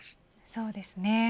そうですね。